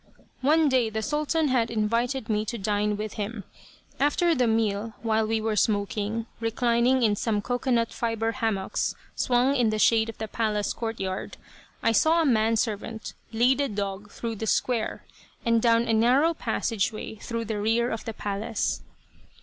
One day the Sultan had invited me to dine with him. After the meal, while we were smoking, reclining in some cocoanut fibre hammocks swung in the shade of the palace court yard, I saw a man servant lead a dog through the square, and down a narrow passage way through the rear of the palace.